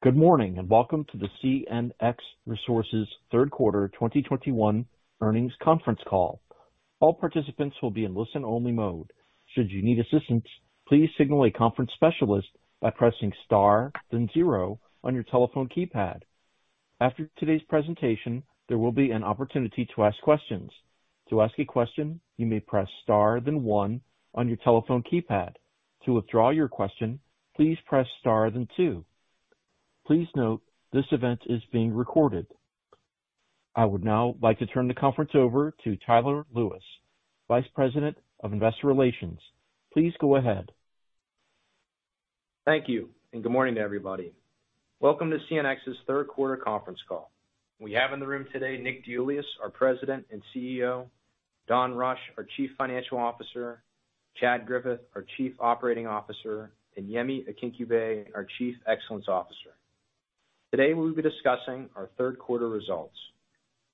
Good morning, and welcome to the CNX Resources Third Quarter 2021 Earnings Conference Call. All participants will be in listen-only mode. Should you need assistance, please signal a conference specialist by pressing Star then zero on your telephone keypad. After today's presentation, there will be an opportunity to ask questions. To ask a question, you may press Star then one on your telephone keypad. To withdraw your question, please press Star then two. Please note this event is being recorded. I would now like to turn the conference over to Tyler Lewis, Vice President of Investor Relations. Please go ahead. Thank you, and good morning to everybody. Welcome to CNX's third quarter conference call. We have in the room today Nick DeIuliis, our President and CEO, Don Rush, our Chief Financial Officer, Chad Griffith, our Chief Operating Officer, and Yemi Akinkugbe, our Chief Excellence Officer. Today, we'll be discussing our third quarter results.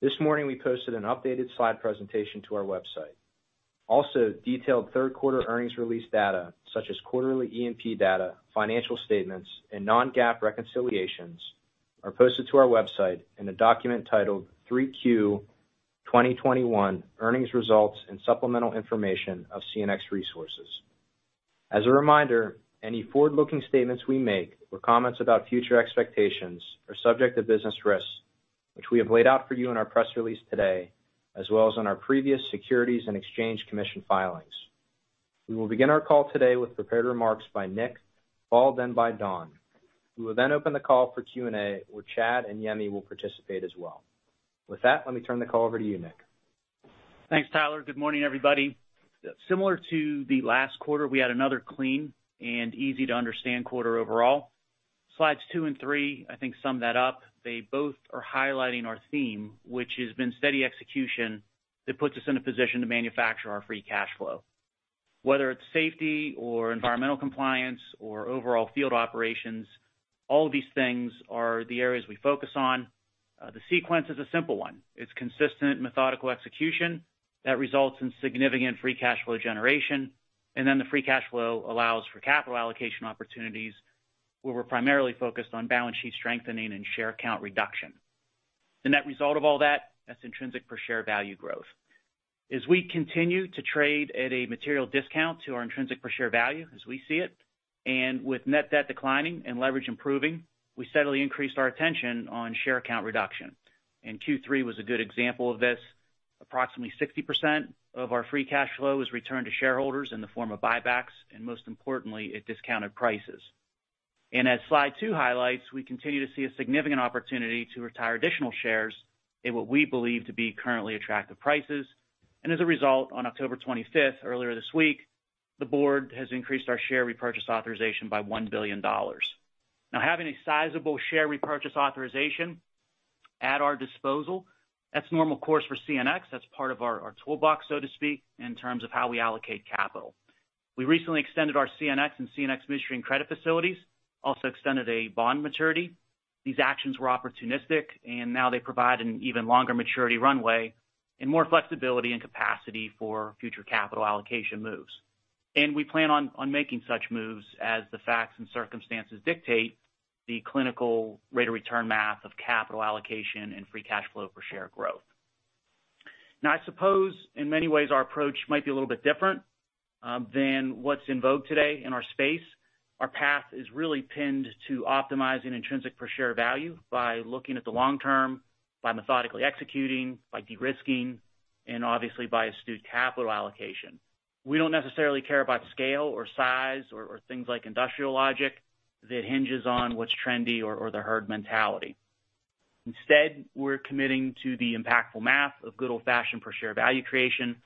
This morning, we posted an updated slide presentation to our website. Also, detailed third quarter earnings release data such as quarterly EMP data, financial statements, and non-GAAP reconciliations are posted to our website in a document titled, "3Q 2021 Earnings Results and Supplemental Information of CNX Resources." As a reminder, any forward-looking statements we make or comments about future expectations are subject to business risks, which we have laid out for you in our press release today, as well as in our previous Securities and Exchange Commission filings. We will begin our call today with prepared remarks by Nick, followed then by Don. We will then open the call for Q&A, where Chad and Yemi will participate as well. With that, let me turn the call over to you, Nick. Thanks, Tyler. Good morning, everybody. Similar to the last quarter, we had another clean and easy-to-understand quarter overall. Slides two and three, I think, sum that up. They both are highlighting our theme, which has been steady execution that puts us in a position to manufacture our free cash flow. Whether it's safety or environmental compliance or overall field operations, all of these things are the areas we focus on. The sequence is a simple one. It's consistent, methodical execution that results in significant free cash flow generation, and then the free cash flow allows for capital allocation opportunities, where we're primarily focused on balance sheet strengthening and share count reduction. The net result of all that's intrinsic per share value growth. As we continue to trade at a material discount to our intrinsic per share value as we see it, and with net debt declining and leverage improving, we steadily increased our attention on share count reduction. In Q3 was a good example of this. Approximately 60% of our free cash flow is returned to shareholders in the form of buybacks, and most importantly, at discounted prices. As slide two highlights, we continue to see a significant opportunity to retire additional shares at what we believe to be currently attractive prices. As a result, on October 25, earlier this week, the board has increased our share repurchase authorization by $1 billion. Now, having a sizable share repurchase authorization at our disposal, that's normal course for CNX. That's part of our toolbox, so to speak, in terms of how we allocate capital. We recently extended our CNX and CNX Midstream credit facilities, also extended a bond maturity. These actions were opportunistic, and now they provide an even longer maturity runway and more flexibility and capacity for future capital allocation moves. We plan on making such moves as the facts and circumstances dictate the internal rate of return math of capital allocation and free cash flow per share growth. Now I suppose in many ways our approach might be a little bit different than what's in vogue today in our space. Our path is really pinned to optimizing intrinsic per share value by looking at the long term, by methodically executing, by de-risking, and obviously by astute capital allocation. We don't necessarily care about scale or size or things like industrial logic that hinges on what's trendy or the herd mentality. Instead, we're committing to the impactful math of good old-fashioned per share value creation.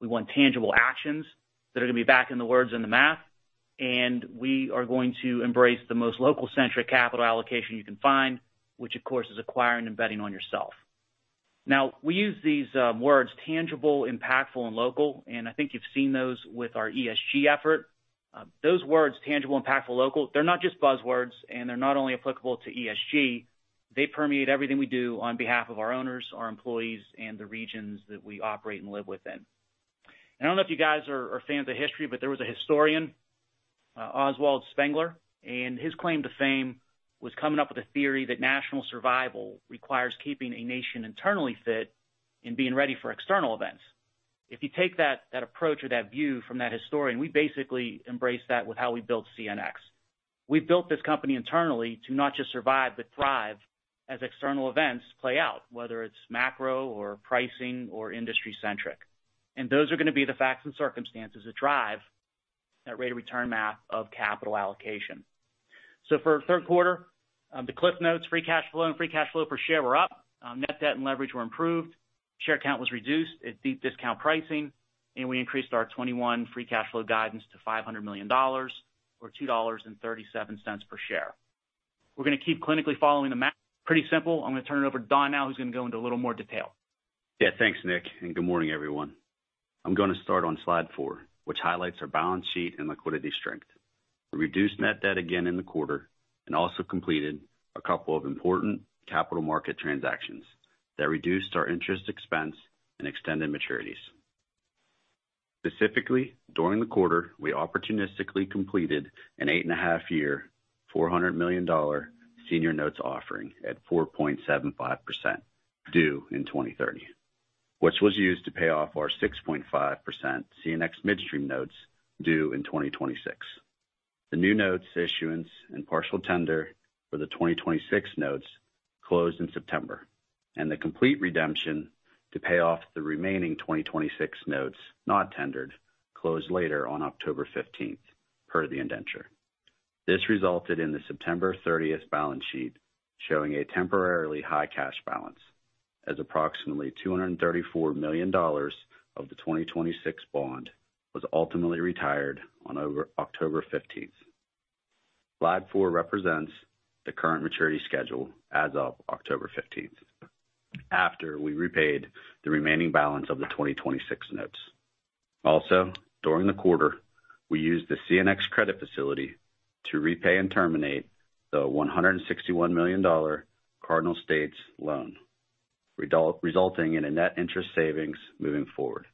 We want tangible actions that are gonna be backing the words and the math, and we are going to embrace the most local-centric capital allocation you can find, which of course is acquiring and betting on yourself. Now, we use these, words tangible, impactful, and local, and I think you've seen those with our ESG effort. Those words tangible, impactful, local, they're not just buzzwords, and they're not only applicable to ESG. They permeate everything we do on behalf of our owners, our employees, and the regions that we operate and live within. I don't know if you guys are fans of history, but there was a historian, Oswald Spengler, and his claim to fame was coming up with a theory that national survival requires keeping a nation internally fit and being ready for external events. If you take that approach or that view from that historian, we basically embrace that with how we built CNX. We built this company internally to not just survive, but thrive as external events play out, whether it's macro or pricing or industry-centric. Those are gonna be the facts and circumstances that drive that rate of return math of capital allocation. For third quarter, the cliff notes, free cash flow and free cash flow per share were up. Net debt and leverage were improved. Share count was reduced at deep discount pricing, and we increased our 2021 free cash flow guidance to $500 million or $2.37 per share. We're gonna keep closely following the market. Pretty simple. I'm gonna turn it over to Don now, who's gonna go into a little more detail. Yeah. Thanks, Nick, and good morning, everyone. I'm gonna start on slide four, which highlights our balance sheet and liquidity strength. We reduced net debt again in the quarter and also completed a couple of important capital market transactions that reduced our interest expense and extended maturities. Specifically, during the quarter, we opportunistically completed an 8.5-year, $400 million senior notes offering at 4.75% due in 2030, which was used to pay off our 6.5% CNX Midstream notes due in 2026. The new notes issuance and partial tender for the 2026 notes closed in September, and the complete redemption to pay off the remaining 2026 notes not tendered closed later on October 15, per the indenture. This resulted in the September 30th balance sheet showing a temporarily high cash balance as approximately $234 million of the 2026 bond was ultimately retired on October 15. Slide four represents the current maturity schedule as of October 15, after we repaid the remaining balance of the 2026 notes. Also, during the quarter, we used the CNX credit facility to repay and terminate the $161 million Cardinal States loan, resulting in a net interest savings moving forward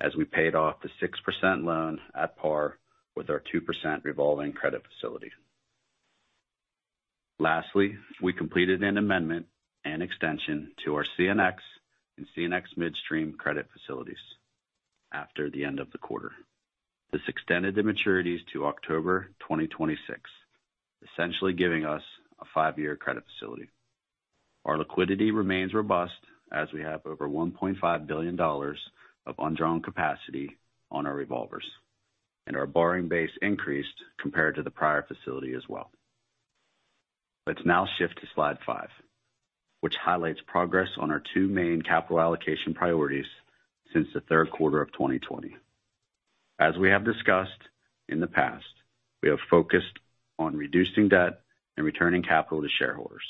as we paid off the 6% loan at par with our 2% revolving credit facility. Lastly, we completed an amendment and extension to our CNX and CNX Midstream credit facilities after the end of the quarter. This extended the maturities to October 2026, essentially giving us a five-year credit facility. Our liquidity remains robust as we have over $1.5 billion of undrawn capacity on our revolvers, and our borrowing base increased compared to the prior facility as well. Let's now shift to slide five, which highlights progress on our two main capital allocation priorities since the third quarter of 2020. As we have discussed in the past, we have focused on reducing debt and returning capital to shareholders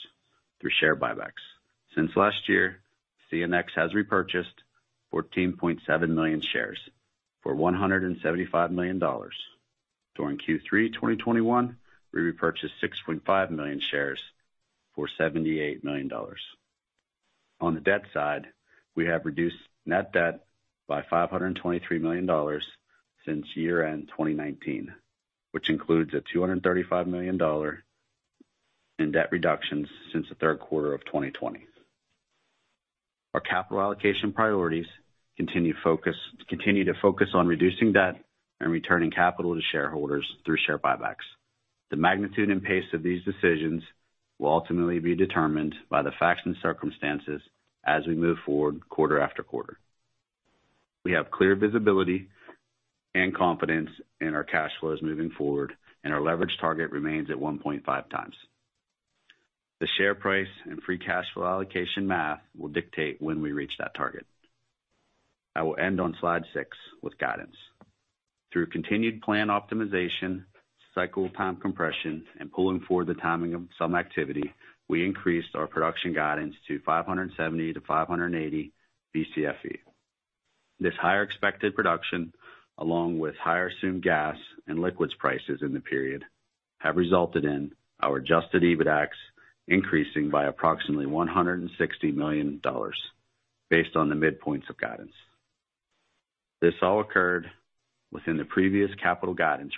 through share buybacks. Since last year, CNX has repurchased 14.7 million shares for $175 million. During Q3 2021, we repurchased 6.5 million shares for $78 million. On the debt side, we have reduced net debt by $523 million since year-end 2019, which includes a $235 million in debt reductions since the third quarter of 2020. Our capital allocation priorities continue to focus on reducing debt and returning capital to shareholders through share buybacks. The magnitude and pace of these decisions will ultimately be determined by the facts and circumstances as we move forward quarter after quarter. We have clear visibility and confidence in our cash flows moving forward, and our leverage target remains at 1.5 times. The share price and free cash flow allocation math will dictate when we reach that target. I will end on slide six with guidance. Through continued plan optimization, cycle time compression, and pulling forward the timing of some activity, we increased our production guidance to 570-580 Bcfe. This higher expected production, along with higher assumed gas and liquids prices in the period, have resulted in our adjusted EBITDAX increasing by approximately $160 million based on the midpoints of guidance. This all occurred within the previous capital guidance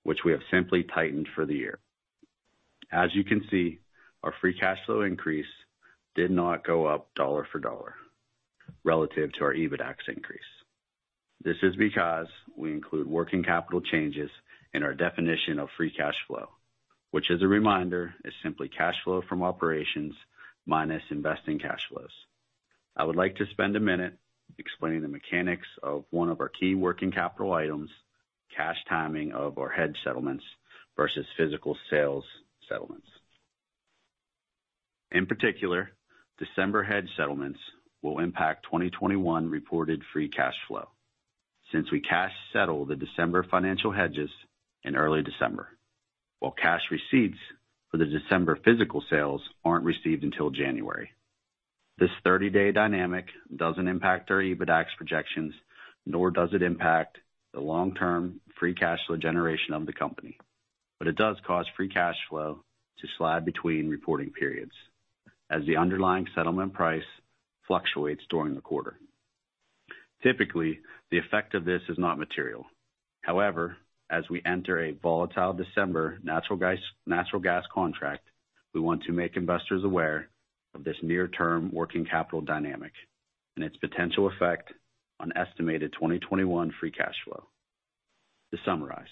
range, which we have simply tightened for the year. As you can see, our free cash flow increase did not go up dollar for dollar relative to our EBITDAX increase. This is because we include working capital changes in our definition of free cash flow, which, as a reminder, is simply cash flow from operations minus investing cash flows. I would like to spend a minute explaining the mechanics of one of our key working capital items, cash timing of our hedge settlements versus physical sales settlements. In particular, December hedge settlements will impact 2021 reported free cash flow since we cash settle the December financial hedges in early December, while cash receipts for the December physical sales aren't received until January. This 30-day dynamic doesn't impact our EBITDAX projections, nor does it impact the long-term free cash flow generation of the company. It does cause free cash flow to slide between reporting periods as the underlying settlement price fluctuates during the quarter. Typically, the effect of this is not material. However, as we enter a volatile December natural gas contract, we want to make investors aware of this near-term working capital dynamic and its potential effect on estimated 2021 free cash flow. To summarize,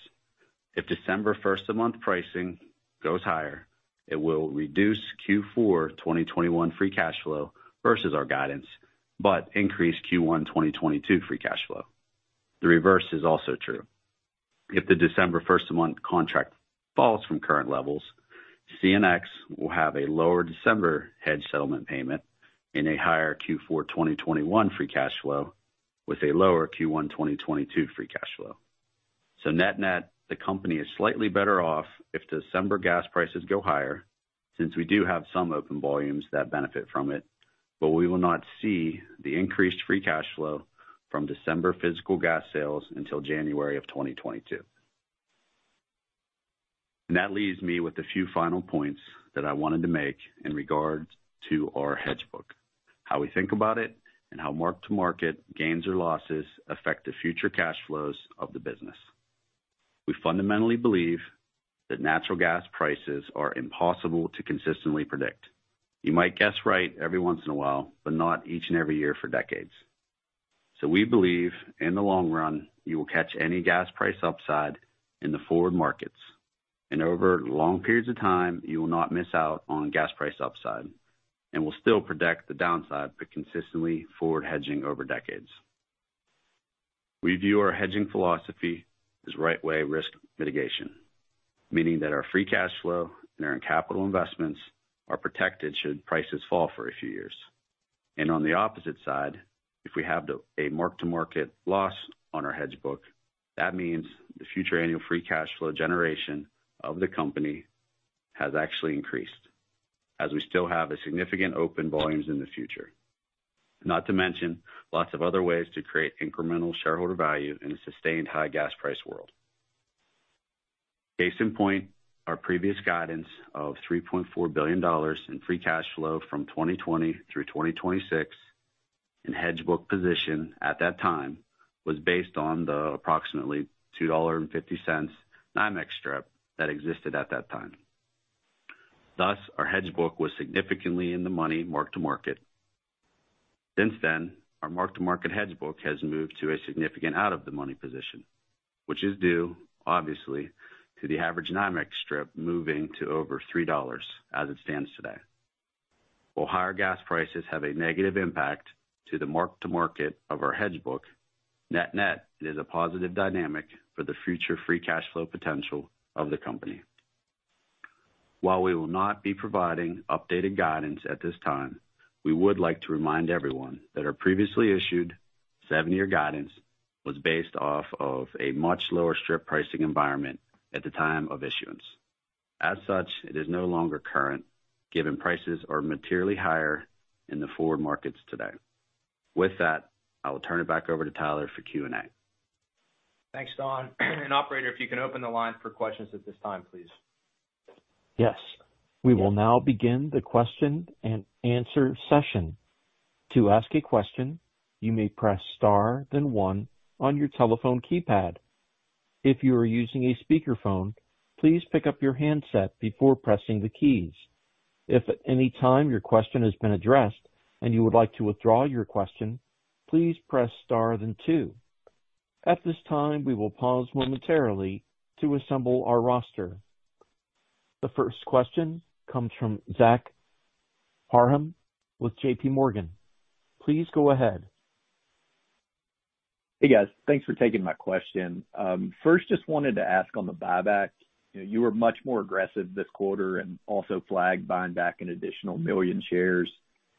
if December first of month pricing goes higher, it will reduce Q4 2021 free cash flow versus our guidance, but increase Q1 2022 free cash flow. The reverse is also true. If the December first of month contract falls from current levels, CNX will have a lower December hedge settlement payment and a higher Q4 2021 free cash flow with a lower Q1 2022 free cash flow. Net-net, the company is slightly better off if December gas prices go higher since we do have some open volumes that benefit from it, but we will not see the increased free cash flow from December physical gas sales until January 2022. That leaves me with a few final points that I wanted to make in regards to our hedge book, how we think about it, and how mark-to-market gains or losses affect the future cash flows of the business. We fundamentally believe that natural gas prices are impossible to consistently predict. You might guess right every once in a while, but not each and every year for decades. We believe in the long run, you will catch any gas price upside in the forward markets. Over long periods of time, you will not miss out on gas price upside and will still protect the downside by consistently forward hedging over decades. We view our hedging philosophy as right way risk mitigation, meaning that our free cash flow and capital investments are protected should prices fall for a few years. On the opposite side, if we have a mark-to-market loss on our hedge book, that means the future annual free cash flow generation of the company has actually increased, as we still have a significant open volumes in the future. Not to mention lots of other ways to create incremental shareholder value in a sustained high gas price world. Case in point, our previous guidance of $3.4 billion in free cash flow from 2020 through 2026 and hedge book position at that time was based on the approximately $2.50 NYMEX strip that existed at that time. Thus, our hedge book was significantly in the money mark-to-market. Since then, our mark-to-market hedge book has moved to a significant out of the money position, which is due, obviously, to the average NYMEX strip moving to over $3 as it stands today. While higher gas prices have a negative impact to the mark-to-market of our hedge book, net-net is a positive dynamic for the future free cash flow potential of the company. While we will not be providing updated guidance at this time, we would like to remind everyone that our previously issued seven-year guidance was based off of a much lower strip pricing environment at the time of issuance. As such, it is no longer current, given prices are materially higher in the forward markets today. With that, I will turn it back over to Tyler for Q&A. Thanks, Don. Operator, if you can open the line for questions at this time, please. Yes. We will now begin the question-and-answer session. To ask a question, you may press star then one on your telephone keypad. If you are using a speakerphone, please pick up your handset before pressing the keys. If at any time your question has been addressed and you would like to withdraw your question, please press star then two. At this time, we will pause momentarily to assemble our roster. The first question comes from Zach Parham with J.P. Morgan. Please go ahead. Hey, guys. Thanks for taking my question. First, just wanted to ask on the buyback. You know, you were much more aggressive this quarter and also flagged buying back an additional 1 million shares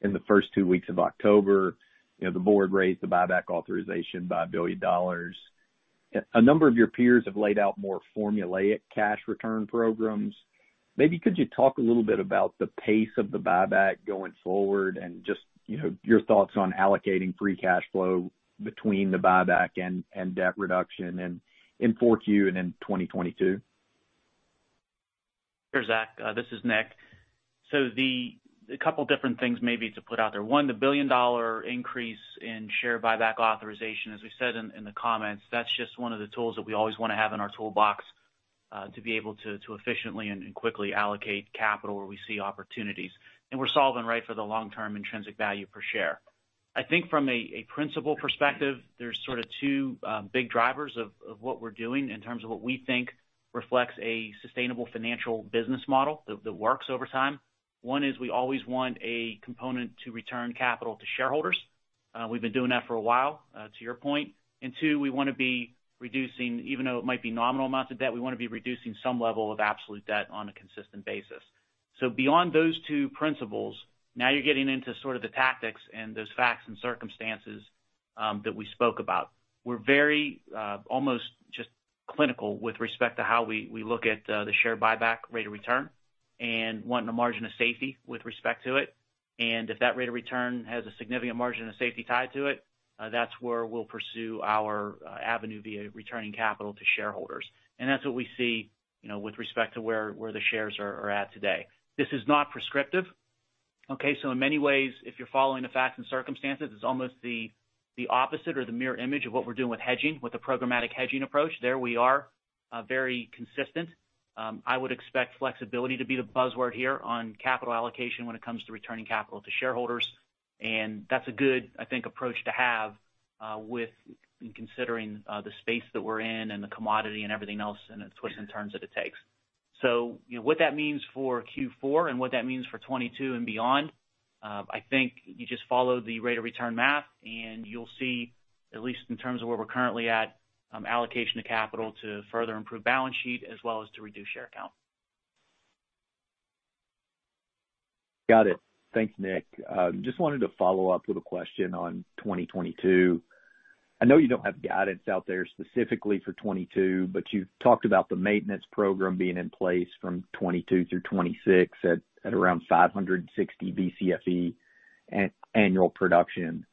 in the first two weeks of October. You know, the board raised the buyback authorization by $1 billion. A number of your peers have laid out more formulaic cash return programs. Maybe could you talk a little bit about the pace of the buyback going forward and just, you know, your thoughts on allocating free cash flow between the buyback and debt reduction in 4Q and in 2022? Sure, Zach, this is Nick. A couple different things maybe to put out there. One, the billion-dollar increase in share buyback authorization, as we said in the comments, that's just one of the tools that we always wanna have in our toolbox to be able to efficiently and quickly allocate capital where we see opportunities. We're solving right for the long-term intrinsic value per share. I think from a principal perspective, there's sort of two big drivers of what we're doing in terms of what we think reflects a sustainable financial business model that works over time. One is we always want a component to return capital to shareholders. We've been doing that for a while, to your point. Two, we wanna be reducing, even though it might be nominal amounts of debt, we wanna be reducing some level of absolute debt on a consistent basis. Beyond those two principles, now you're getting into sort of the tactics and those facts and circumstances that we spoke about. We're very almost just clinical with respect to how we look at the share buyback rate of return and wanting a margin of safety with respect to it. If that rate of return has a significant margin of safety tied to it, that's where we'll pursue our avenue via returning capital to shareholders. That's what we see, you know, with respect to where the shares are at today. This is not prescriptive. Okay? In many ways, if you're following the facts and circumstances, it's almost the opposite or the mirror image of what we're doing with hedging, with the programmatic hedging approach. There we are very consistent. I would expect flexibility to be the buzzword here on capital allocation when it comes to returning capital to shareholders. That's a good, I think, approach to have with considering the space that we're in and the commodity and everything else, and the twists and turns that it takes. You know, what that means for Q4 and what that means for 2022 and beyond, I think you just follow the rate of return math and you'll see, at least in terms of where we're currently at, allocation of capital to further improve balance sheet as well as to reduce share count. Got it. Thanks, Nick. Just wanted to follow up with a question on 2022. I know you don't have guidance out there specifically for 2022, but you talked about the maintenance program being in place from 2022 through 2026 at around 560 Bcfe. Annual production.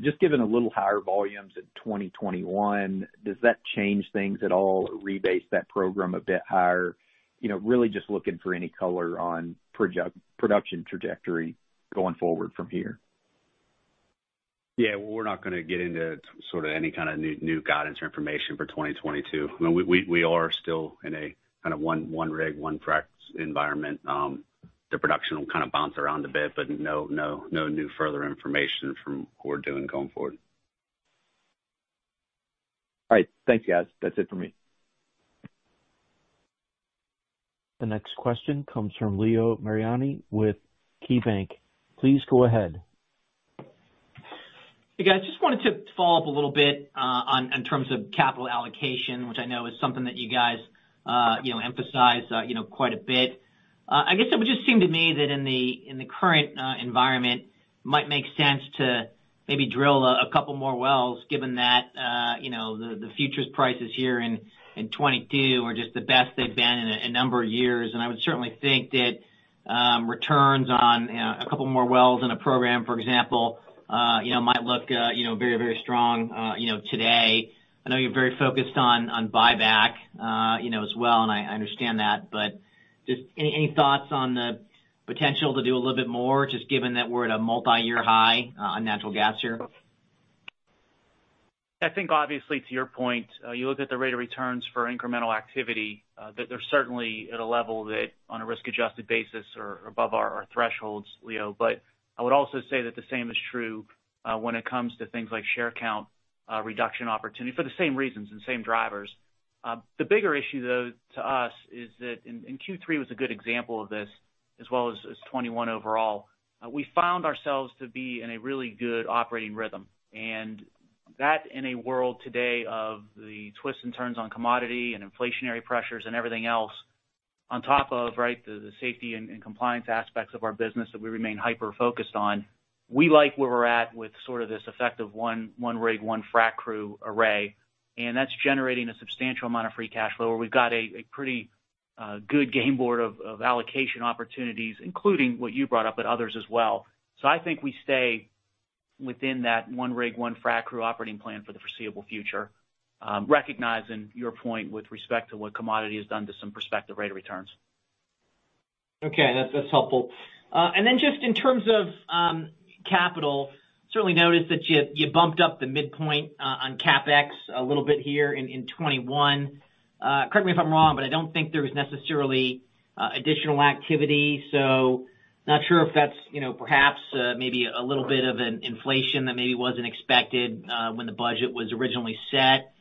Just given a little higher volumes in 2021, does that change things at all or rebase that program a bit higher? You know, really just looking for any color on production trajectory going forward from here. Yeah. Well, we're not gonna get into sort of any kind of new guidance or information for 2022. I mean, we are still in a kind of one rig, one fracs environment. The production will kind of bounce around a bit, but no new further information from what we're doing going forward. All right. Thank you, guys. That's it for me. The next question comes from Leo Mariani with KeyBanc. Please go ahead. Hey, guys. Just wanted to follow up a little bit on in terms of capital allocation, which I know is something that you guys you know emphasize you know quite a bit. I guess it would just seem to me that in the current environment might make sense to maybe drill a couple more wells given that you know the futures prices here in 2022 are just the best they've been in a number of years. I would certainly think that returns on a couple more wells in a program, for example, you know might look you know very very strong you know today. I know you're very focused on buyback you know as well, and I understand that. Just any thoughts on the potential to do a little bit more, just given that we're at a multi-year high on natural gas here? I think obviously to your point, you look at the rate of returns for incremental activity, that they're certainly at a level that on a risk-adjusted basis are above our thresholds, Leo. I would also say that the same is true, when it comes to things like share count, reduction opportunity for the same reasons and same drivers. The bigger issue though to us is that, and Q3 was a good example of this, as well as 2021 overall, we found ourselves to be in a really good operating rhythm. That in a world today of the twists and turns on commodity and inflationary pressures and everything else, on top of, right, the safety and compliance aspects of our business that we remain hyper-focused on, we like where we're at with sort of this effective one rig, one frac crew array, and that's generating a substantial amount of free cash flow where we've got a pretty good game board of allocation opportunities, including what you brought up, but others as well. I think we stay within that one rig, one frac crew operating plan for the foreseeable future, recognizing your point with respect to what commodity has done to some prospective rate of returns. Okay. That's helpful. Then just in terms of capital, certainly noticed that you bumped up the midpoint on CapEx a little bit here in 2021. Correct me if I'm wrong, but I don't think there was necessarily additional activity, so not sure if that's you know perhaps maybe a little bit of an inflation that maybe wasn't expected when the budget was originally set.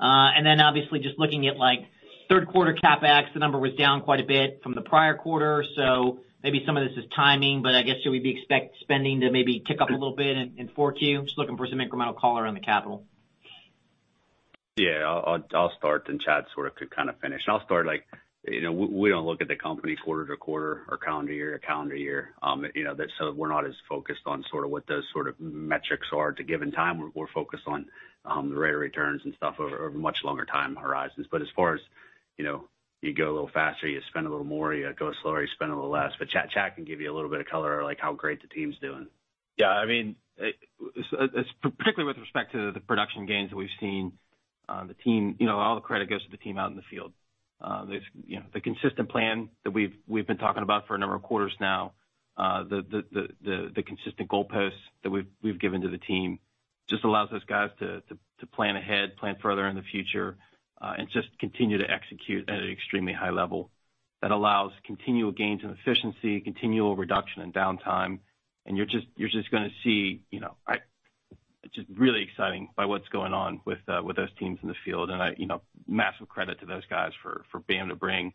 Then obviously just looking at like third quarter CapEx, the number was down quite a bit from the prior quarter. Maybe some of this is timing, but I guess should we be expect spending to maybe tick up a little bit in 4Q. Just looking for some incremental color on the capital. Yeah. I'll start, then Chad sort of could kind of finish. I'll start, like, you know, we don't look at the company quarter to quarter or calendar year to calendar year. You know, that's so we're not as focused on sort of what those sort of metrics are at a given time. We're focused on the rate of returns and stuff over much longer time horizons. As far as, you know, you go a little faster, you spend a little more, you go slower, you spend a little less. Chad can give you a little bit of color on like how great the team's doing. Yeah. I mean, it's particularly with respect to the production gains that we've seen. The team, you know, all the credit goes to the team out in the field. There's, you know, the consistent plan that we've been talking about for a number of quarters now, the consistent goalposts that we've given to the team just allows those guys to plan ahead, plan further in the future, and just continue to execute at an extremely high level. That allows continual gains in efficiency, continual reduction in downtime, and you're just gonna see, you know. Just really excited by what's going on with those teams in the field. I, you know, massive credit to those guys for being able to bring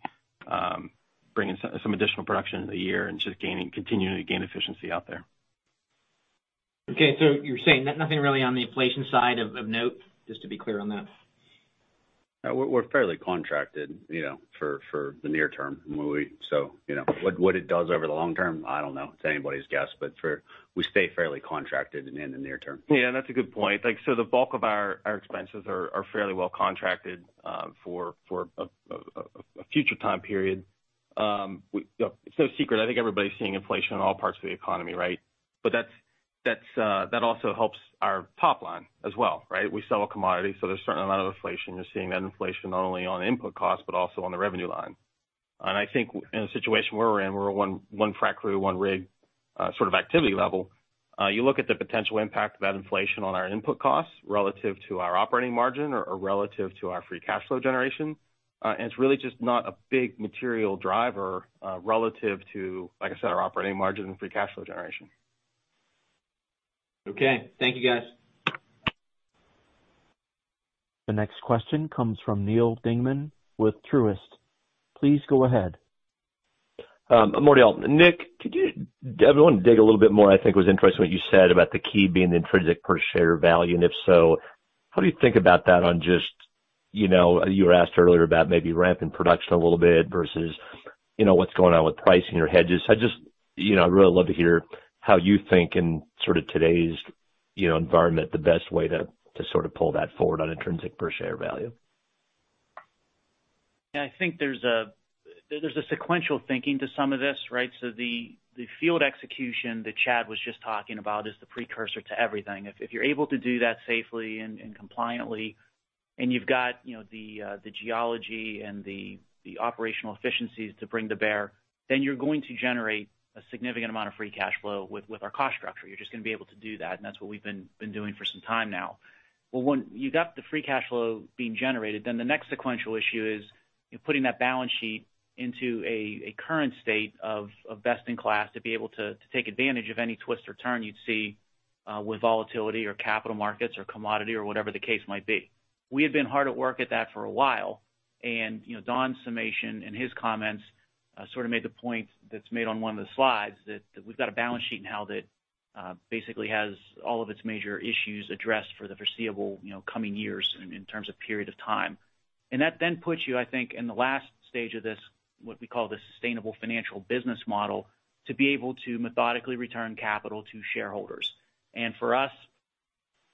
some additional production in the year and just gaining, continuing to gain efficiency out there. Okay. You're saying nothing really on the inflation side of note, just to be clear on that? We're fairly contracted, you know, for the near term. You know, what it does over the long term, I don't know. It's anybody's guess. We stay fairly contracted in the near term. Yeah, that's a good point. Like, so the bulk of our expenses are fairly well contracted for a future time period. It's no secret, I think everybody's seeing inflation in all parts of the economy, right? But that's that also helps our top line as well, right? We sell a commodity, so there's a certain amount of inflation. You're seeing that inflation not only on input costs, but also on the revenue line. I think in the situation we're in, we're a one frac crew, one rig sort of activity level. You look at the potential impact of that inflation on our input costs relative to our operating margin or relative to our free cash flow generation, and it's really just not a big material driver, relative to, like I said, our operating margin and free cash flow generation. Okay. Thank you, guys. The next question comes from Neil Dingmann with Truist. Please go ahead. Good morning, y'all. Nick, I want to dig a little bit more. I think it was interesting what you said about the key being the intrinsic per share value. If so, what do you think about that on just, you know, you were asked earlier about maybe ramping production a little bit versus, you know, what's going on with pricing or hedges. I just, you know, I'd really love to hear how you think in sort of today's, you know, environment, the best way to sort of pull that forward on intrinsic per share value. Yeah, I think there's a sequential thinking to some of this, right? The field execution that Chad was just talking about is the precursor to everything. If you're able to do that safely and compliantly, and you've got, you know, the geology and the operational efficiencies to bring to bear, then you're going to generate a significant amount of free cash flow with our cost structure. You're just gonna be able to do that. That's what we've been doing for some time now. When you got the free cash flow being generated, then the next sequential issue is you're putting that balance sheet into a current state of best in class to be able to take advantage of any twist or turn you'd see with volatility or capital markets or commodity or whatever the case might be. We have been hard at work at that for a while, and you know, Don's summation and his comments sort of made the point that's made on one of the slides that we've got a balance sheet now that basically has all of its major issues addressed for the foreseeable you know, coming years in terms of period of time. That then puts you, I think, in the last stage of this, what we call the sustainable financial business model, to be able to methodically return capital to shareholders. For us,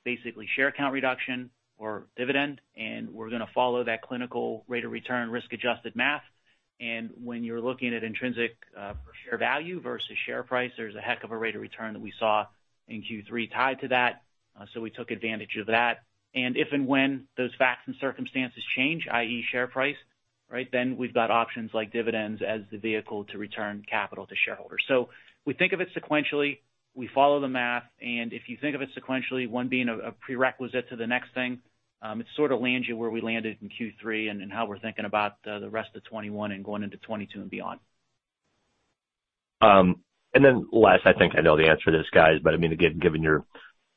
basically share count reduction or dividend, and we're gonna follow that clinical rate of return risk-adjusted math. When you're looking at intrinsic per share value versus share price, there's a heck of a rate of return that we saw in Q3 tied to that. We took advantage of that. If and when those facts and circumstances change, i.e. share price, right? Then we've got options like dividends as the vehicle to return capital to shareholders. We think of it sequentially. We follow the math, and if you think of it sequentially, one being a prerequisite to the next thing, it sort of lands you where we landed in Q3 and then how we're thinking about the rest of 2021 and going into 2022 and beyond. Last, I think I know the answer to this, guys, but, I mean, again, given your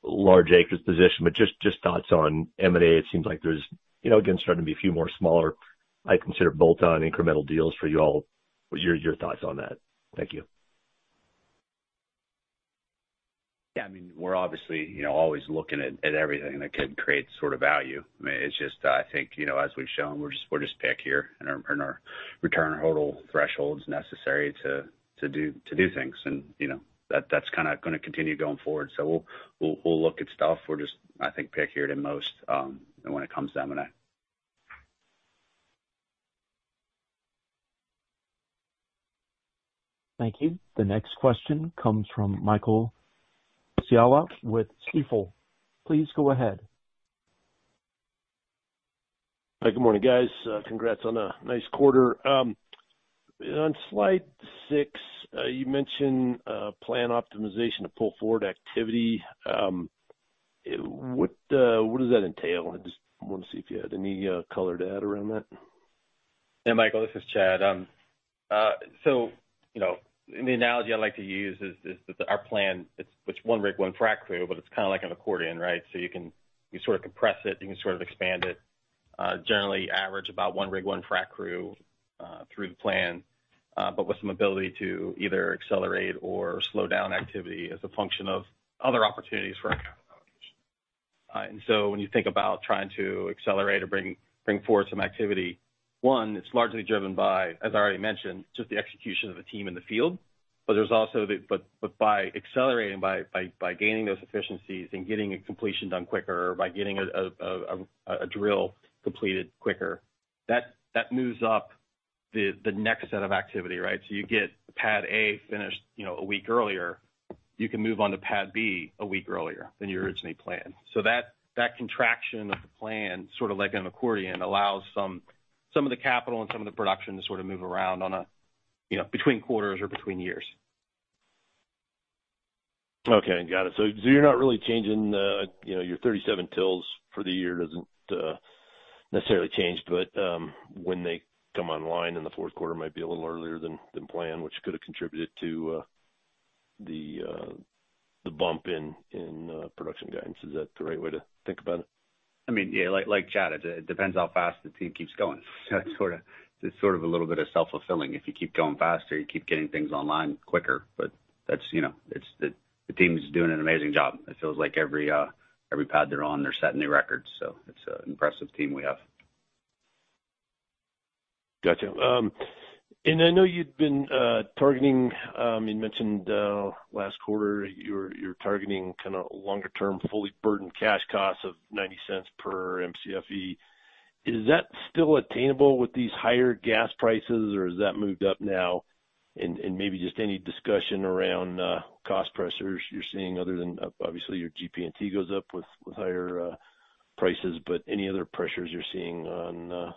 large acreage position, but just thoughts on M&A. It seems like there's, you know, again, starting to be a few more smaller I consider bolt-on incremental deals for you all. What's your thoughts on that? Thank you. Yeah. I mean, we're obviously, you know, always looking at everything that could create sort of value. I mean, it's just I think, you know, as we've shown, we're just pickier in our return total thresholds necessary to do things. You know, that's kinda gonna continue going forward. We'll look at stuff. We're just, I think, pickier than most when it comes to M&A. Thank you. The next question comes from Michael Scialla with Stifel. Please go ahead. Hi. Good morning, guys. Congrats on a nice quarter. On slide six, you mentioned plan optimization to pull forward activity. What does that entail? I just want to see if you had any color to add around that. Yeah, Michael, this is Chad. You know, the analogy I like to use is that our plan it's one rig, one frac crew, but it's kinda like an accordion, right? You can sort of compress it, you can sort of expand it. We generally average about one rig, one frac crew through the plan, but with some ability to either accelerate or slow down activity as a function of other opportunities for our capital allocation. When you think about trying to accelerate or bring forward some activity, it's largely driven by, as I already mentioned, just the execution of the team in the field. By accelerating, by gaining those efficiencies and getting a completion done quicker or by getting a drill completed quicker, that moves up the next set of activity, right? You get pad A finished, you know, a week earlier, you can move on to pad B a week earlier than you originally planned. That contraction of the plan, sort of like an accordion, allows some of the capital and some of the production to sort of move around, you know, between quarters or between years. Okay. Got it. You're not really changing, you know, your 37 wells for the year doesn't necessarily change, but when they come online in the fourth quarter might be a little earlier than planned, which could have contributed to the bump in production guidance. Is that the right way to think about it? I mean, yeah, like Chad, it depends how fast the team keeps going. It's sort of a little bit of self-fulfilling. If you keep going faster, you keep getting things online quicker. That's, you know, the team's doing an amazing job. It feels like every pad they're on, they're setting new records. It's an impressive team we have. Gotcha. I know you'd been targeting. You mentioned last quarter you're targeting kinda longer term, fully burdened cash costs of $0.90 per Mcfe. Is that still attainable with these higher gas prices or has that moved up now? Maybe just any discussion around cost pressures you're seeing other than obviously your GP&T goes up with higher prices, but any other pressures you're seeing on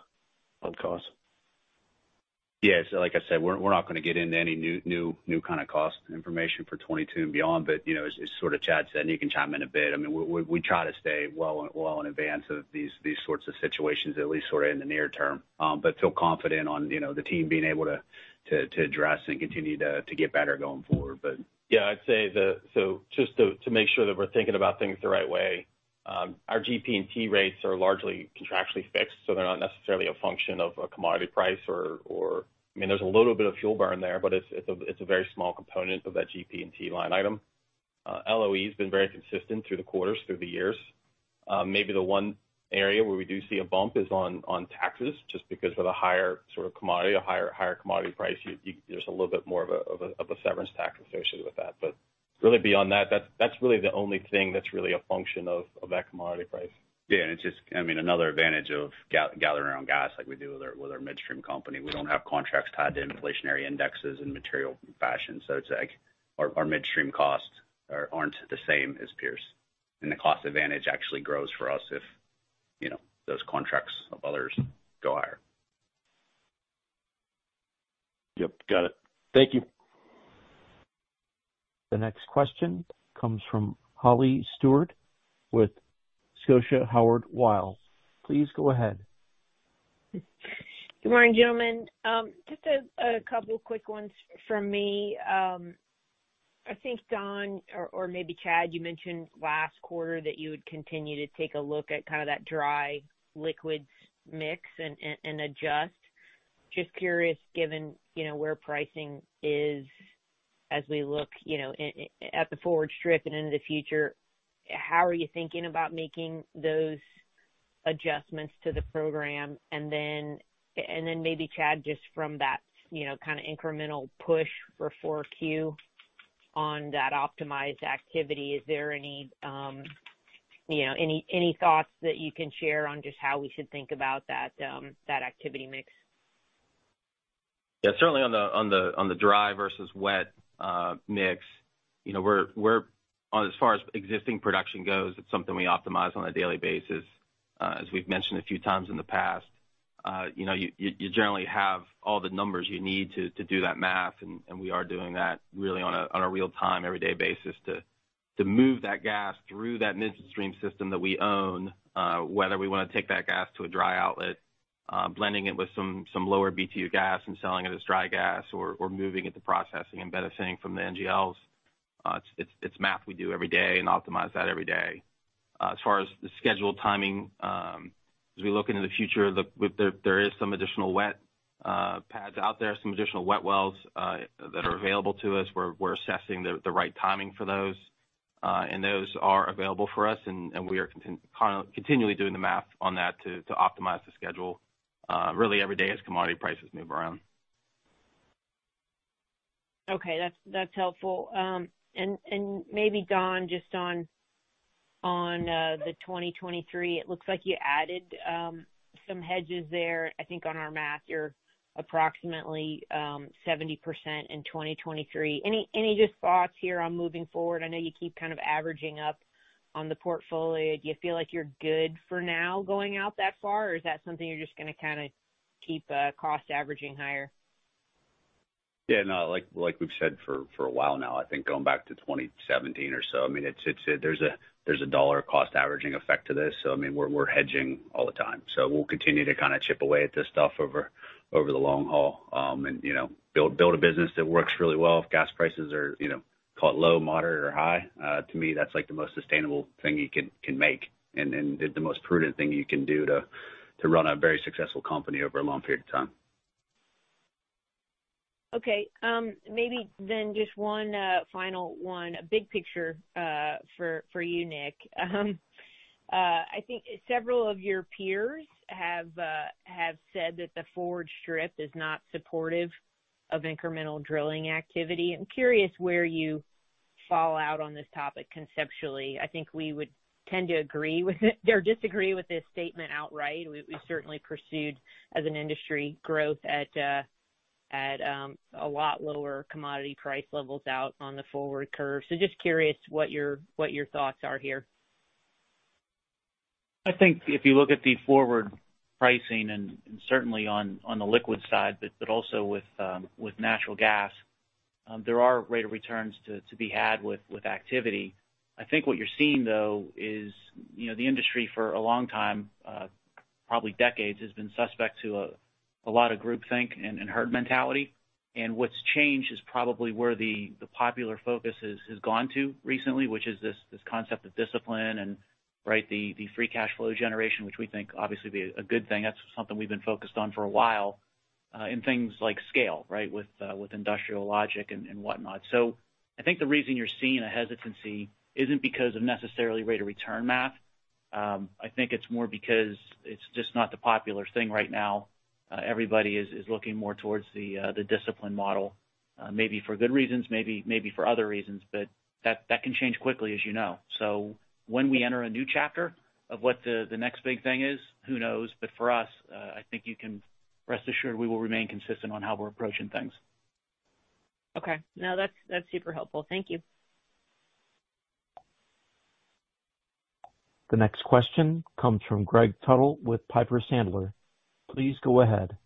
costs? Yes. Like I said, we're not gonna get into any new kinda cost information for 2022 and beyond. You know, as sort of Chad said, and you can chime in a bit. I mean, we try to stay well in advance of these sorts of situations, at least sort of in the near term. Feel confident on, you know, the team being able to address and continue to get better going forward. Yeah, I'd say just to make sure that we're thinking about things the right way, our GP&T rates are largely contractually fixed, so they're not necessarily a function of a commodity price or I mean, there's a little bit of fuel burn there, but it's a very small component of that GP&T line item. LOE has been very consistent through the quarters, through the years. Maybe the one area where we do see a bump is on taxes, just because of the higher sort of commodity, a higher commodity price. There's a little bit more of a severance tax associated with that. Really beyond that's really the only thing that's really a function of that commodity price. Yeah. It's just, I mean, another advantage of gathering our own gas like we do with our midstream company. We don't have contracts tied to inflationary indexes in material fashion. It's like our midstream costs aren't the same as peers. The cost advantage actually grows for us if, you know, those contracts of others go higher. Yep. Got it. Thank you. The next question comes from Holly Stewart with Scotia Howard Weil. Please go ahead. Good morning, gentlemen. Just a couple quick ones from me. I think Don or maybe Chad, you mentioned last quarter that you would continue to take a look at kind of that dry liquids mix and adjust. Just curious, given you know where pricing is as we look you know at the forward strip and into the future, how are you thinking about making those adjustments to the program? Then maybe Chad, just from that you know kind of incremental push for Q4 on that optimized activity, is there any you know any thoughts that you can share on just how we should think about that activity mix? Yeah, certainly on the dry versus wet mix, you know, we're on, as far as existing production goes, it's something we optimize on a daily basis. As we've mentioned a few times in the past, you know, you generally have all the numbers you need to do that math. We are doing that really on a real-time, every day basis to move that gas through that midstream system that we own, whether we wanna take that gas to a dry outlet, blending it with some lower BTU gas and selling it as dry gas or moving it to processing and benefiting from the NGLs. It's math we do every day and optimize that every day. As far as the scheduled timing, as we look into the future, there is some additional wet pads out there, some additional wet wells that are available to us. We're assessing the right timing for those. Those are available for us, and we are continually doing the math on that to optimize the schedule really every day as commodity prices move around. Okay. That's helpful. And maybe Don, just on the 2023, it looks like you added some hedges there. I think on our math, you're approximately 70% in 2023. Any just thoughts here on moving forward? I know you keep kind of averaging up on the portfolio. Do you feel like you're good for now going out that far, or is that something you're just gonna kinda keep cost averaging higher? Yeah, no. Like we've said for a while now, I think going back to 2017 or so, I mean, there's a dollar cost averaging effect to this. So I mean, we're hedging all the time. So we'll continue to kinda chip away at this stuff over the long haul, and you know, build a business that works really well if gas prices are, you know, call it low, moderate, or high. To me, that's like the most sustainable thing you can make and then the most prudent thing you can do to run a very successful company over a long period of time. Okay. Maybe then just one final one, a big picture for you, Nick. I think several of your peers have said that the forward strip is not supportive of incremental drilling activity. I'm curious where you fall out on this topic conceptually. I think we would tend to agree with it or disagree with this statement outright. We certainly pursued as an industry growth at a lot lower commodity price levels out on the forward curve. Just curious what your thoughts are here. I think if you look at the forward pricing and certainly on the liquid side, but also with natural gas, there are rates of return to be had with activity. I think what you're seeing, though, is you know, the industry for a long time, probably decades, has been susceptible to a lot of groupthink and herd mentality. What's changed is probably where the popular focus has gone to recently, which is this concept of discipline and right, the free cash flow generation, which we think obviously be a good thing. That's something we've been focused on for a while and things like scale, right? With industrial logic and whatnot. I think the reason you're seeing a hesitancy isn't because of necessarily rate of return math. I think it's more because it's just not the popular thing right now. Everybody is looking more towards the discipline model, maybe for good reasons, maybe for other reasons, but that can change quickly as you know. When we enter a new chapter of what the next big thing is, who knows? For us, I think you can rest assured we will remain consistent on how we're approaching things. Okay. No, that's super helpful. Thank you. The next question comes from Greg Tuttle with Piper Sandler. Please go ahead.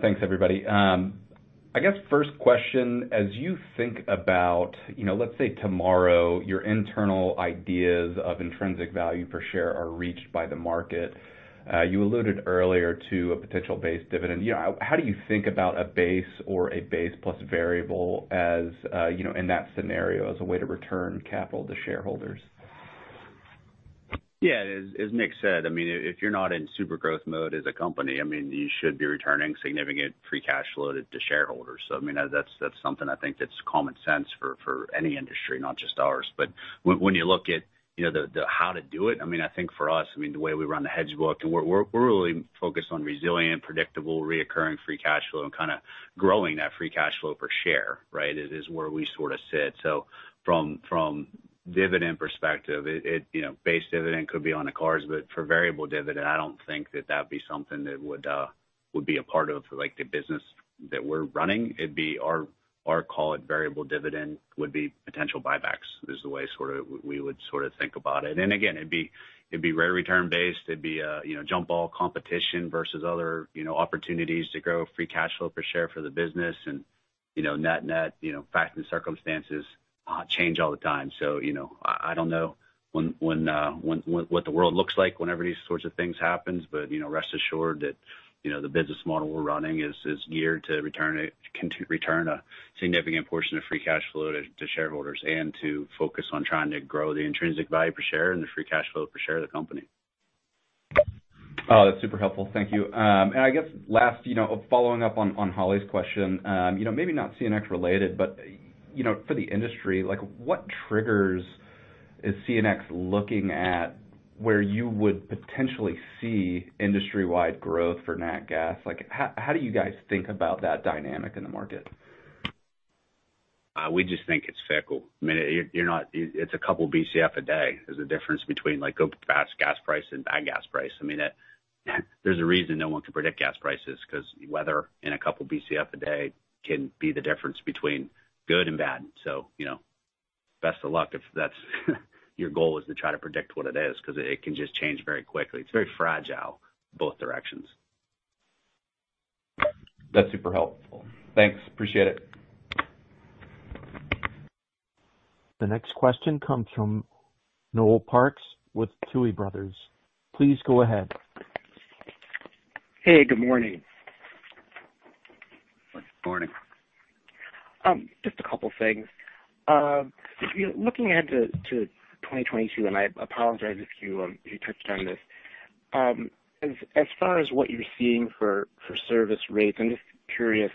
Thanks, everybody. I guess first question, as you think about, you know, let's say tomorrow, your internal ideas of intrinsic value per share are reached by the market. You alluded earlier to a potential base dividend. You know, how do you think about a base or a base plus variable as, you know, in that scenario as a way to return capital to shareholders? Yeah. As Nick said, I mean, if you're not in super growth mode as a company, I mean, you should be returning significant free cash flow to shareholders. That's something I think that's common sense for any industry, not just ours. When you look at, you know, the how to do it, I mean, I think for us, the way we run the hedge book, and we're really focused on resilient, predictable, recurring free cash flow and kinda growing that free cash flow per share, right, is where we sorta sit. From dividend perspective, it you know base dividend could be on the cards, but for variable dividend, I don't think that'd be something that would be a part of, like, the business that we're running. It'd be our call. Variable dividend would be potential buybacks is the way we would sorta think about it. Again, it'd be rate of return based. It'd be a you know jump ball competition versus other you know opportunities to grow free cash flow per share for the business. You know net-net you know facts and circumstances change all the time. You know I don't know what the world looks like whenever these sorts of things happens, but you know rest assured that you know the business model we're running is geared to return a significant portion of free cash flow to shareholders and to focus on trying to grow the intrinsic value per share and the free cash flow per share of the company. Oh, that's super helpful. Thank you. I guess last, you know, following up on Holly's question, you know, maybe not CNX related, but, you know, for the industry, like, what triggers is CNX looking at where you would potentially see industry-wide growth for nat gas? Like, how do you guys think about that dynamic in the market? We just think it's fickle. I mean, it's a couple BCF a day is the difference between, like, a fast gas price and bad gas price. I mean, there's a reason no one can predict gas prices, 'cause weather and a couple BCF a day can be the difference between good and bad. You know, best of luck if that's your goal is to try to predict what it is 'cause it can just change very quickly. It's very fragile both directions. That's super helpful. Thanks. Appreciate it. The next question comes from Noel Parks with Tuohy Brothers. Please go ahead. Hey, good morning. Good morning. Just a couple things. You know, looking ahead to 2022, and I apologize if you touched on this. As far as what you're seeing for service rates, I'm just curious,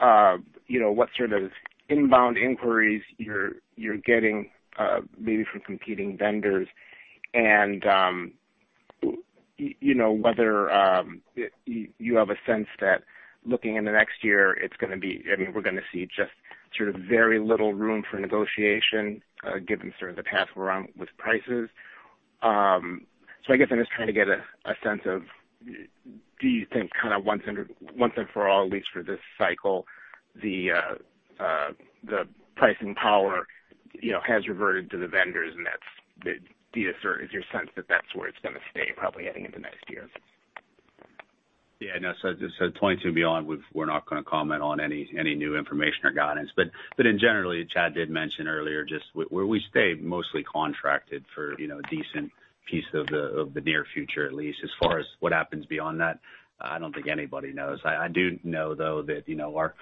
you know, what sort of inbound inquiries you're getting, maybe from competing vendors and, you know, whether you have a sense that looking in the next year, it's gonna be, I mean, we're gonna see just sort of very little room for negotiation, given sort of the path we're on with prices. I guess I'm just trying to get a sense of, do you think kinda once and for all, at least for this cycle, the pricing power, you know, has reverted to the vendors. Is your sense that that's where it's gonna stay probably heading into next year? Yeah, no. 2022 and beyond, we're not gonna comment on any new information or guidance. In general, Chad did mention earlier just where we stay mostly contracted for, you know, a decent piece of the near future, at least. As far as what happens beyond that, I don't think anybody knows. I do know, though, that you know, our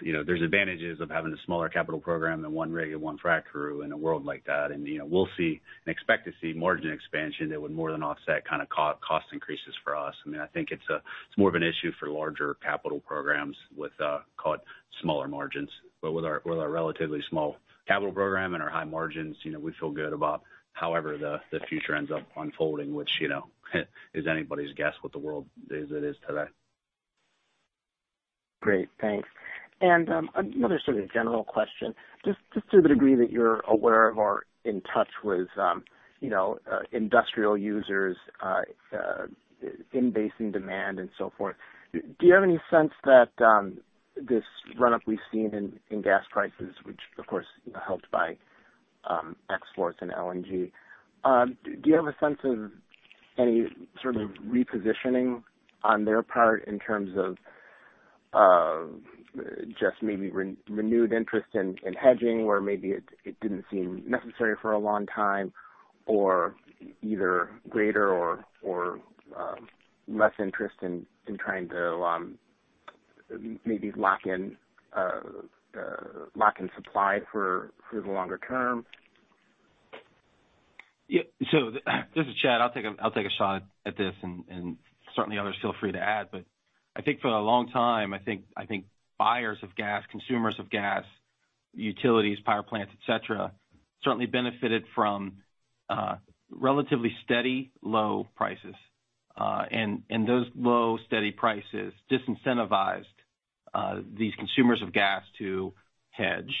you know, there's advantages of having a smaller capital program than one rig and one frac crew in a world like that. You know, we'll see and expect to see margin expansion that would more than offset kinda cost increases for us. I mean, I think it's more of an issue for larger capital programs with call it, smaller margins. With our relatively small capital program and our high margins, you know, we feel good about however the future ends up unfolding, which, you know, is anybody's guess what the world is, it is today. Great. Thanks. Another sort of general question. Just to the degree that you're aware of or in touch with, you know, industrial users in increasing demand and so forth, do you have any sense that this run-up we've seen in gas prices, which of course helped by exports and LNG, do you have a sense of any sort of repositioning on their part in terms of just maybe renewed interest in hedging, where maybe it didn't seem necessary for a long time, or either greater or less interest in trying to maybe lock in supply for the longer term? Yeah. This is Chad. I'll take a shot at this and certainly others feel free to add. I think for a long time, I think buyers of gas, consumers of gas, utilities, power plants, et cetera, certainly benefited from relatively steady low prices. Those low steady prices disincentivized these consumers of gas to hedge,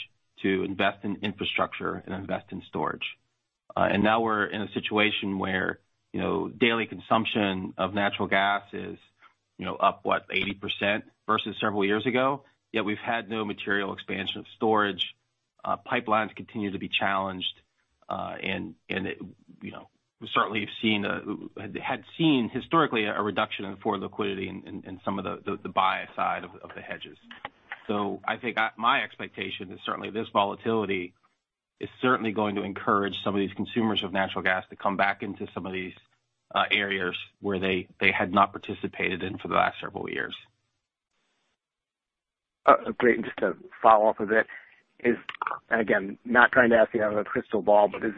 to invest in infrastructure and invest in storage. Now we're in a situation where, you know, daily consumption of natural gas is, you know, up, what, 80% versus several years ago, yet we've had no material expansion of storage. Pipelines continue to be challenged and it, you know, we certainly have seen historically a reduction in forward liquidity in some of the buy side of the hedges. I think, my expectation is certainly this volatility is certainly going to encourage some of these consumers of natural gas to come back into some of these areas where they had not participated in for the last several years. Great. Just to follow up with it is, and again, not trying to ask you have a crystal ball, but is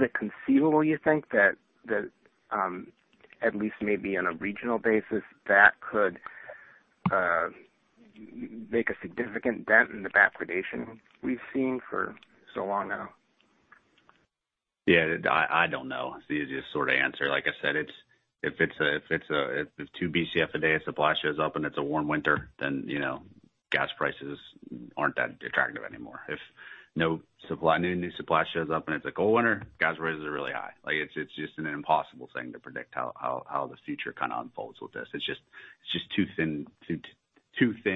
it conceivable you think that at least maybe on a regional basis that could make a significant dent in the backwardation we've seen for so long now? Yeah. I don't know. It's the easiest sort of answer. Like I said, it's if 2 BCF a day of supply shows up and it's a warm winter, then, you know, gas prices aren't that attractive anymore. If no new supply shows up and it's a cold winter, gas prices are really high. Like, it's just an impossible thing to predict how the future kinda unfolds with this. It's just too thin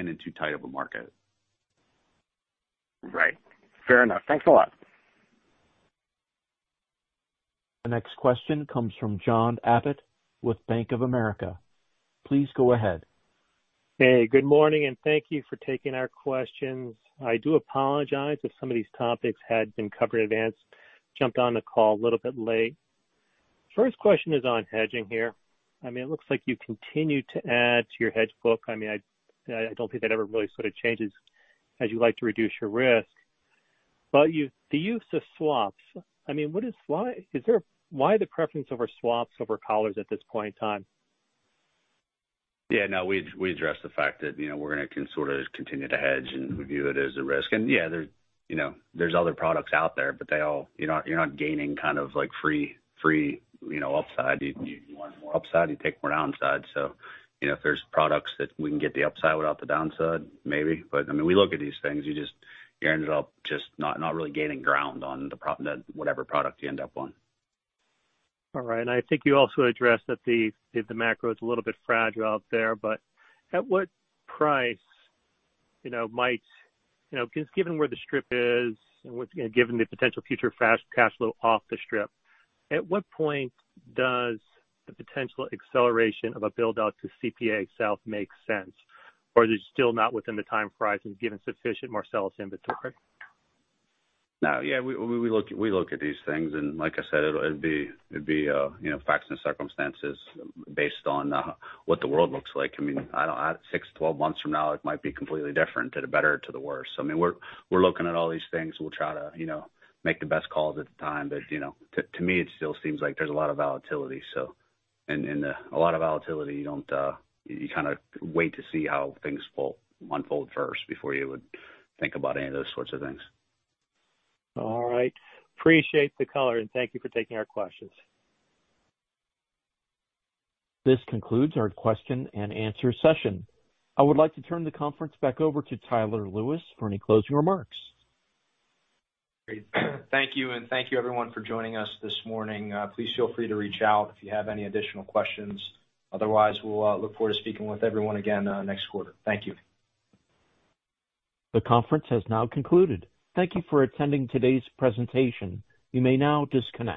and too tight of a market. Right. Fair enough. Thanks a lot. The next question comes from John Abbott with Bank of America. Please go ahead. Hey, good morning, and thank you for taking our questions. I do apologize if some of these topics had been covered in advance. I jumped on the call a little bit late. First question is on hedging here. I mean, it looks like you continue to add to your hedge book. I mean, I don't think that ever really sort of changes as you like to reduce your risk. But the use of swaps, I mean, why the preference for swaps over collars at this point in time? Yeah, no, we addressed the fact that, you know, we're gonna sort of continue to hedge and view it as a risk. Yeah, there's, you know, there's other products out there, but they all, you know, you're not gaining kind of like free, you know, upside. You want more upside, you take more downside. You know, if there's products that we can get the upside without the downside, maybe. I mean, we look at these things, you just ended up just not really gaining ground on whatever product you end up on. All right. I think you also addressed that the macro is a little bit fragile out there, but at what price, you know, might you know, 'cause given where the strip is and what's, you know, given the potential future cash flow off the strip, at what point does the potential acceleration of a build-out to CPA South make sense? Or is it still not within the time horizon given sufficient Marcellus inventory? No. Yeah, we look at these things and, like I said, it'd be, you know, facts and circumstances based on what the world looks like. I mean, 6 to 12 months from now, it might be completely different for the better or for the worse. I mean, we're looking at all these things. We'll try to, you know, make the best calls at the time. To me, it still seems like there's a lot of volatility. A lot of volatility, you kinda wait to see how things unfold first before you would think about any of those sorts of things. All right. Appreciate the color, and thank you for taking our questions. This concludes our question and answer session. I would like to turn the conference back over to Tyler Lewis for any closing remarks. Great. Thank you, and thank you everyone for joining us this morning. Please feel free to reach out if you have any additional questions. Otherwise, we'll look forward to speaking with everyone again next quarter. Thank you. The conference has now concluded. Thank you for attending today's presentation. You may now disconnect.